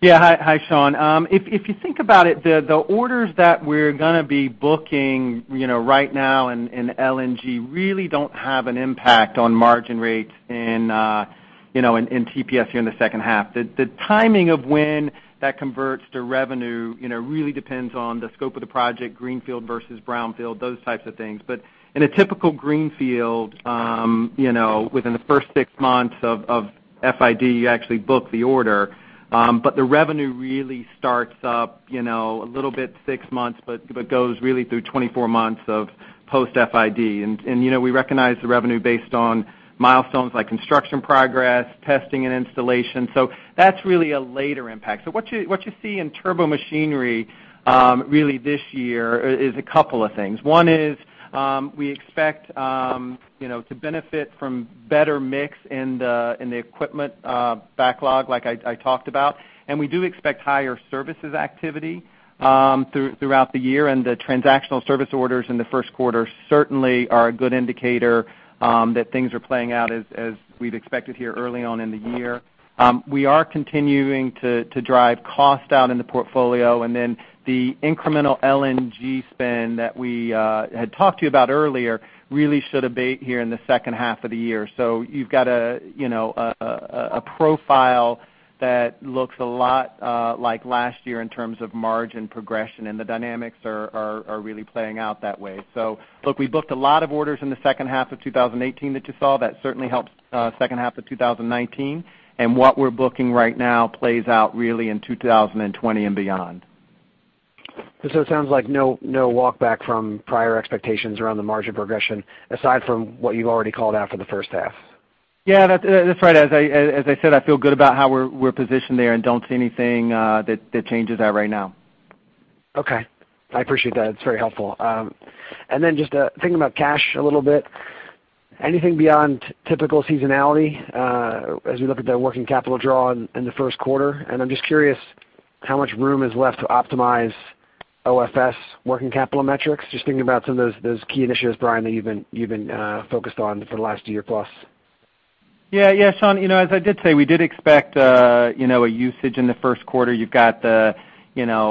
Yeah. Hi, Sean. If you think about it, the orders that we're going to be booking right now in LNG really don't have an impact on margin rates in TPS here in the second half. The timing of when that converts to revenue really depends on the scope of the project, greenfield versus brownfield, those types of things. But in a typical greenfield, within the first six months of FID, you actually book the order. But the revenue really starts up a little bit six months, but goes really through 24 months of post-FID. We recognize the revenue based on milestones like construction progress, testing and installation. That's really a later impact. What you see in Turbomachinery, really this year, is a couple of things. One is, we expect to benefit from better mix in the equipment backlog, like I talked about. We do expect higher services activity throughout the year, and the transactional service orders in the first quarter certainly are a good indicator that things are playing out as we've expected here early on in the year. We are continuing to drive cost down in the portfolio. The incremental LNG spend that we had talked to you about earlier really should abate here in the second half of the year. You've got a profile that looks a lot like last year in terms of margin progression, and the dynamics are really playing out that way. Look, we booked a lot of orders in the second half of 2018 that you saw. That certainly helps second half of 2019. What we're booking right now plays out really in 2020 and beyond.
It sounds like no walkback from prior expectations around the margin progression, aside from what you've already called out for the first half.
Yeah, that's right. As I said, I feel good about how we're positioned there and don't see anything that changes that right now.
Okay. I appreciate that. It is very helpful. Just thinking about cash a little bit, anything beyond typical seasonality as we look at the working capital draw in the first quarter? I am just curious how much room is left to optimize OFS working capital metrics. Just thinking about some of those key initiatives, Brian, that you have been focused on for the last year-plus.
Yeah, Sean, as I did say, we did expect a usage in the first quarter.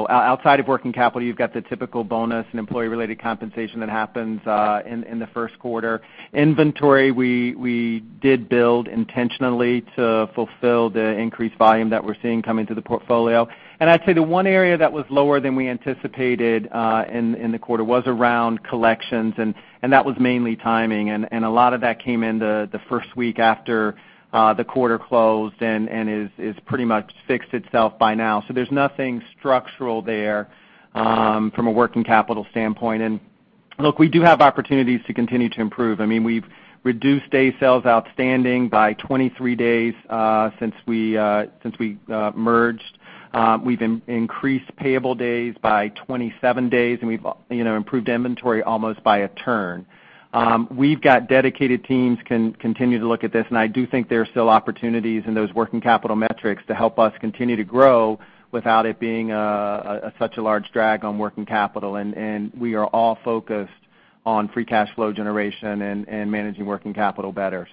Outside of working capital, you have got the typical bonus and employee-related compensation that happens in the first quarter. Inventory we did build intentionally to fulfill the increased volume that we are seeing coming to the portfolio. I would say the one area that was lower than we anticipated in the quarter was around collections, and that was mainly timing. A lot of that came in the first week after the quarter closed and has pretty much fixed itself by now. There is nothing structural there from a working capital standpoint. Look, we do have opportunities to continue to improve. We have reduced day sales outstanding by 23 days since we merged. We have increased payable days by 27 days, and we have improved inventory almost by a turn. We have got dedicated teams continue to look at this, and I do think there are still opportunities in those working capital metrics to help us continue to grow without it being such a large drag on working capital. We are all focused on free cash flow generation and managing working capital better.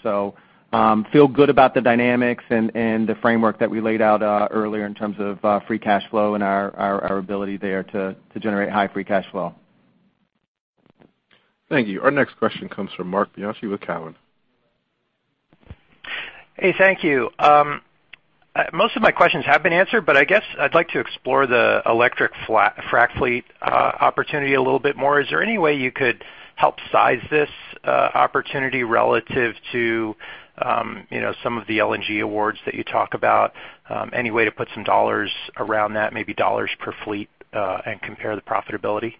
Feel good about the dynamics and the framework that we laid out earlier in terms of free cash flow and our ability there to generate high free cash flow.
Thank you. Our next question comes from Marc Bianchi with Cowen.
Hey, thank you. Most of my questions have been answered. I guess I'd like to explore the electric frac fleet opportunity a little bit more. Is there any way you could help size this opportunity relative to some of the LNG awards that you talk about? Any way to put some dollars around that, maybe dollars per fleet, and compare the profitability?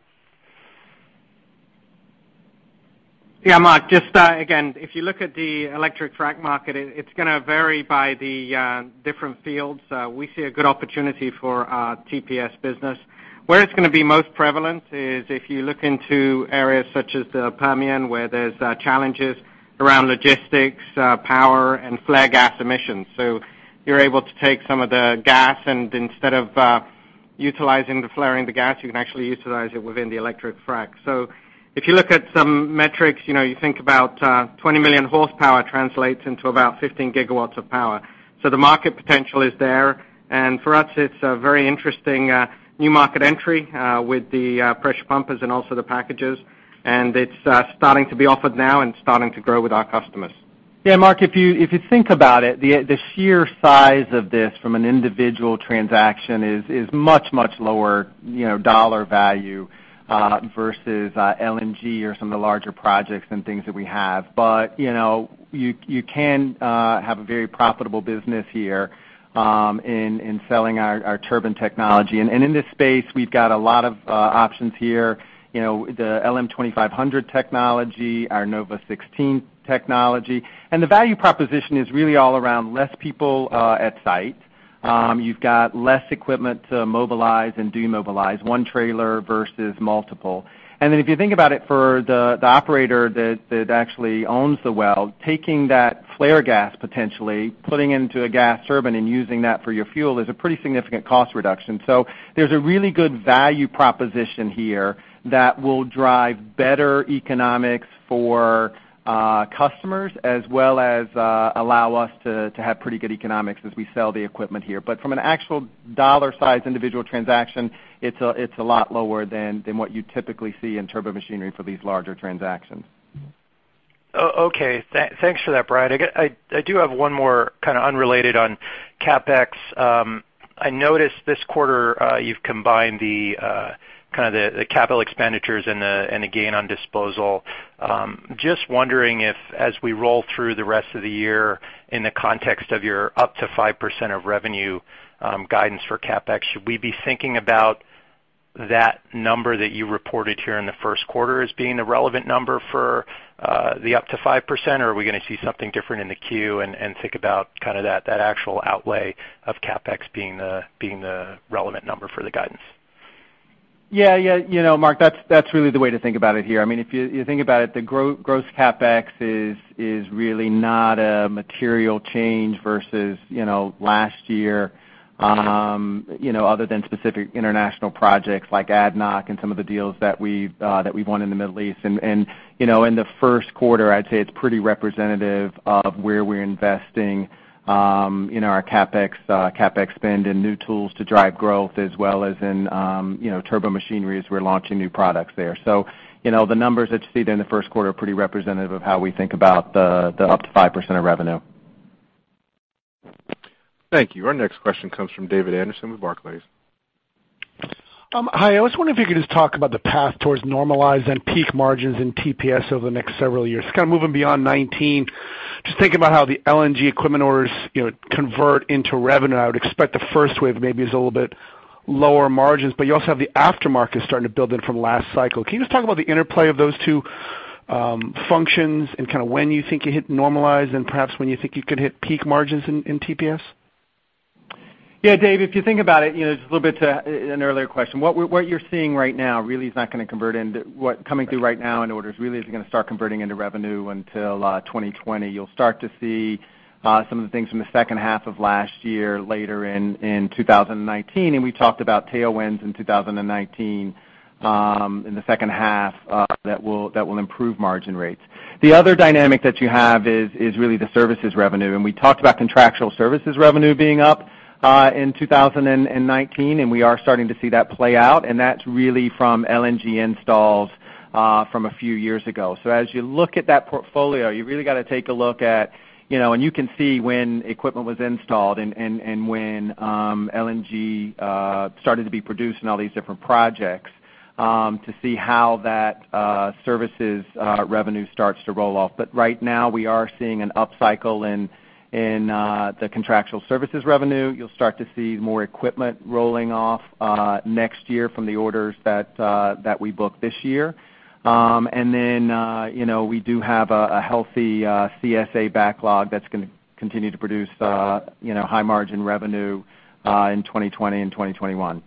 Yeah, Marc, just again, if you look at the electric frac market, it's going to vary by the different fields. We see a good opportunity for our TPS business. Where it's going to be most prevalent is if you look into areas such as the Permian, where there's challenges around logistics, power, and flare gas emissions. You're able to take some of the gas and instead of flaring the gas, you can actually utilize it within the electric frac. If you look at some metrics, you think about 20 million horsepower translates into about 15 gigawatts of power. The market potential is there. For us, it's a very interesting new market entry with the pressure pumpers and also the packages. It's starting to be offered now and starting to grow with our customers. Yeah, Marc, if you think about it, the sheer size of this from an individual transaction is much, much lower dollar value versus LNG or some of the larger projects and things that we have. You can have a very profitable business here in selling our turbine technology. In this space, we've got a lot of options here. The LM2500 technology, our NovaLT16 technology. The value proposition is really all around less people at site. You've got less equipment to mobilize and demobilize, one trailer versus multiple. If you think about it, for the operator that actually owns the well, taking that flare gas potentially, putting it into a gas turbine and using that for your fuel is a pretty significant cost reduction. There's a really good value proposition here that will drive better economics for customers as well as allow us to have pretty good economics as we sell the equipment here. From an actual dollar size individual transaction, it's a lot lower than what you typically see in turbomachinery for these larger transactions.
Okay. Thanks for that, Brian. I do have one more kind of unrelated on CapEx. I noticed this quarter you've combined the capital expenditures and the gain on disposal. Just wondering if, as we roll through the rest of the year in the context of your up to 5% of revenue guidance for CapEx, should we be thinking about that number that you reported here in the first quarter as being the relevant number for the up to 5%? Or are we going to see something different in the Q and think about that actual outlay of CapEx being the relevant number for the guidance?
Yeah, Marc, that's really the way to think about it here. You think about it, the gross CapEx is really not a material change versus last year other than specific international projects like ADNOC and some of the deals that we've won in the Middle East. In the first quarter, I'd say it's pretty representative of where we're investing in our CapEx spend in new tools to drive growth as well as in Turbomachinery as we're launching new products there. The numbers that you see there in the first quarter are pretty representative of how we think about the up to 5% of revenue.
Thank you. Our next question comes from David Anderson with Barclays.
Hi, I was wondering if you could just talk about the path towards normalized and peak margins in TPS over the next several years, kind of moving beyond 2019. Just thinking about how the LNG equipment orders convert into revenue. I would expect the first wave maybe is a little bit lower margins, but you also have the aftermarket starting to build in from last cycle. Can you just talk about the interplay of those two functions and kind of when you think you hit normalize and perhaps when you think you could hit peak margins in TPS?
Yeah, Dave, if you think about it, just a little bit to an earlier question. What you're seeing right now really is not going to convert into coming through right now in orders really is not going to start converting into revenue until 2020. You'll start to see some of the things from the second half of last year later in 2019, and we talked about tailwinds in 2019 in the second half that will improve margin rates. The other dynamic that you have is really the services revenue, and we talked about contractual services revenue being up in 2019, and we are starting to see that play out, and that's really from LNG installs from a few years ago. As you look at that portfolio, you really got to take a look at, and you can see when equipment was installed and when LNG started to be produced in all these different projects to see how that services revenue starts to roll off. Right now we are seeing an upcycle in the contractual services revenue. You'll start to see more equipment rolling off next year from the orders that we book this year. Then we do have a healthy CSA backlog that's going to continue to produce high margin revenue in 2020 and 2021.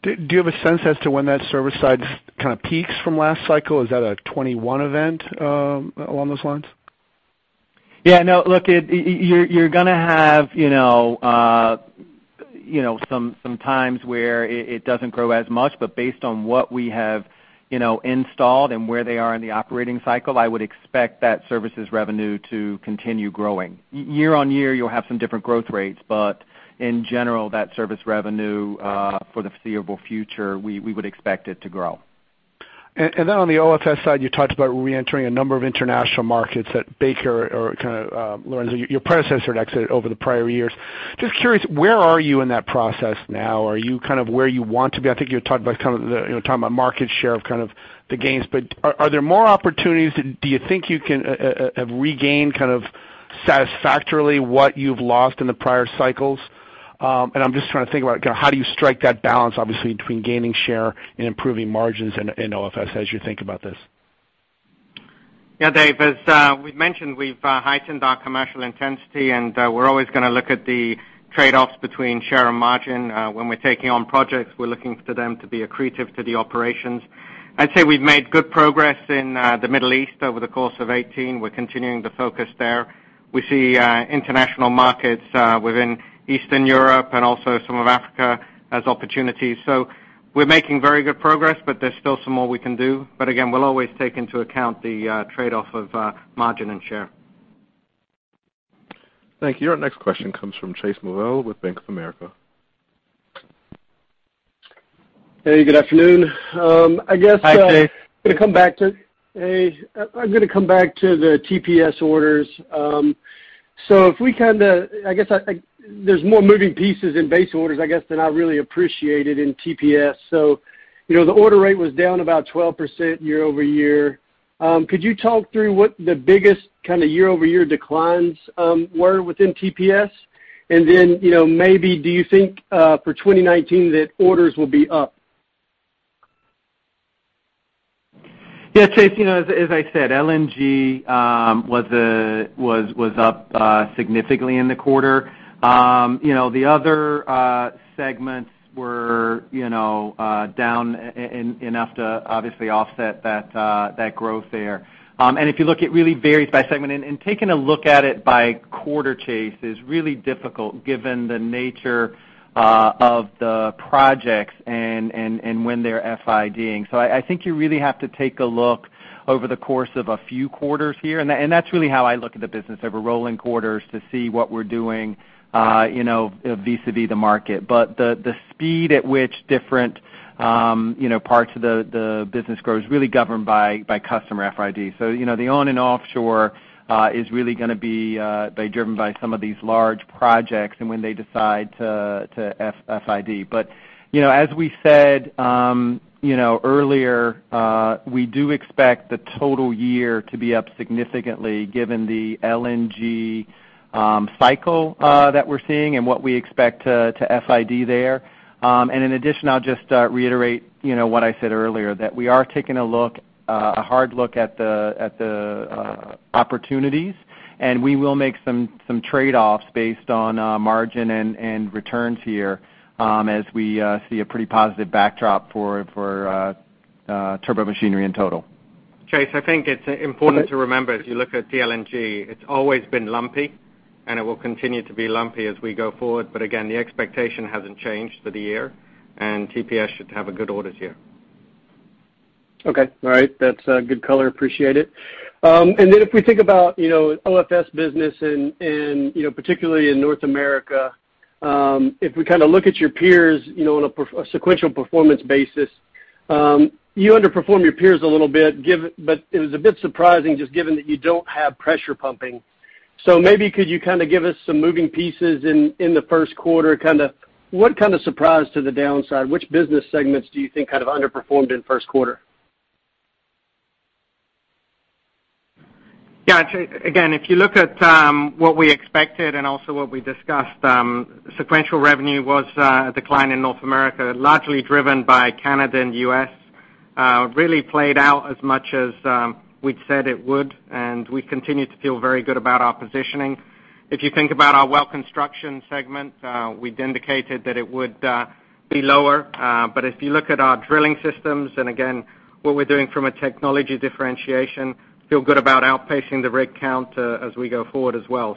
Do you have a sense as to when that service side kind of peaks from last cycle? Is that a 2021 event along those lines?
Yeah, no. Look, you're going to have some times where it doesn't grow as much, based on what we have installed and where they are in the operating cycle, I would expect that services revenue to continue growing. Year on year, you'll have some different growth rates, in general, that service revenue for the foreseeable future, we would expect it to grow.
On the OFS side, you talked about reentering a number of international markets that Baker or kind of Lorenzo, your predecessor had exited over the prior years. Just curious, where are you in that process now? Are you kind of where you want to be? I think you talked about market share of the gains, but are there more opportunities that do you think you can have regained kind of satisfactorily what you've lost in the prior cycles? I'm just trying to think about how do you strike that balance, obviously, between gaining share and improving margins in OFS as you think about this.
Dave, as we've mentioned, we've heightened our commercial intensity, we're always going to look at the trade-offs between share and margin. When we're taking on projects, we're looking for them to be accretive to the operations. I'd say we've made good progress in the Middle East over the course of 2018. We're continuing to focus there. We see international markets within Eastern Europe and also some of Africa as opportunities. We're making very good progress, but there's still some more we can do. Again, we'll always take into account the trade-off of margin and share.
Thank you. Our next question comes from Chase Mulvehill with Bank of America.
Hey, good afternoon.
Hi, Chase.
I'm going to come back to the TPS orders. If we I guess there's more moving pieces in base orders, I guess, than I really appreciated in TPS. The order rate was down about 12% year-over-year. Could you talk through what the biggest kind of year-over-year declines were within TPS? Then maybe do you think for 2019 that orders will be up?
Yeah, Chase, as I said, LNG was up significantly in the quarter. The other segments were down enough to obviously offset that growth there. If you look, it really varies by segment. Taking a look at it by quarter, Chase, is really difficult given the nature of the projects and when they're FID-ing. I think you really have to take a look over the course of a few quarters here, and that's really how I look at the business, over rolling quarters to see what we're doing vis-a-vis the market. The speed at which different parts of the business grows is really governed by customer FID. The on and offshore is really going to be driven by some of these large projects and when they decide to FID. As we said earlier, we do expect the total year to be up significantly given the LNG cycle that we're seeing and what we expect to FID there. In addition, I'll just reiterate what I said earlier, that we are taking a hard look at the opportunities, and we will make some trade-offs based on margin and returns here as we see a pretty positive backdrop for turbo machinery in total.
Chase, I think it's important to remember, as you look at the LNG, it's always been lumpy, and it will continue to be lumpy as we go forward. Again, the expectation hasn't changed for the year, and TPS should have a good orders year.
Okay. All right. That's good color. Appreciate it. Then if we think about OFS business and particularly in North America, if we look at your peers on a sequential performance basis, you underperform your peers a little bit. It was a bit surprising just given that you don't have pressure pumping. Maybe could you give us some moving pieces in the first quarter? What kind of surprise to the downside? Which business segments do you think underperformed in the first quarter?
Yeah, Chase. Again, if you look at what we expected and also what we discussed, sequential revenue was a decline in North America, largely driven by Canada and U.S. It really played out as much as we'd said it would, and we continue to feel very good about our positioning. If you think about our well construction segment, we'd indicated that it would be lower. If you look at our drilling systems, and again, what we're doing from a technology differentiation, feel good about outpacing the rig count as we go forward as well.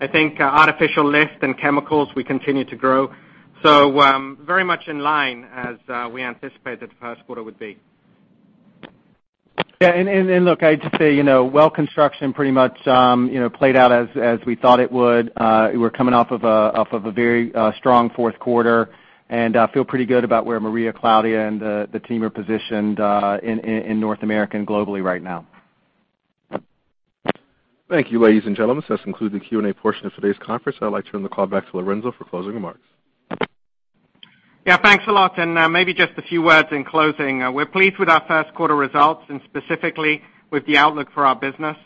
I think artificial lift and chemicals, we continue to grow. Very much in line as we anticipated the first quarter would be.
Yeah. Look, I'd just say, well construction pretty much played out as we thought it would. We're coming off of a very strong fourth quarter, and I feel pretty good about where Maria Claudia and the team are positioned in North America and globally right now.
Thank you, ladies and gentlemen. This concludes the Q&A portion of today's conference. I'd like to turn the call back to Lorenzo for closing remarks.
Yeah. Thanks a lot. Maybe just a few words in closing. We're pleased with our first quarter results and specifically with the outlook for our business.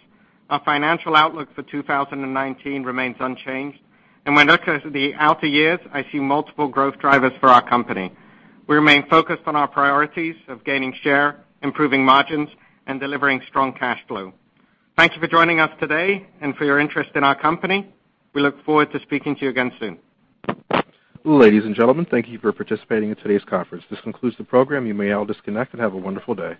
Our financial outlook for 2019 remains unchanged. When looking at the outer years, I see multiple growth drivers for our company. We remain focused on our priorities of gaining share, improving margins, and delivering strong cash flow. Thank you for joining us today and for your interest in our company. We look forward to speaking to you again soon.
Ladies and gentlemen, thank you for participating in today's conference. This concludes the program. You may all disconnect. Have a wonderful day.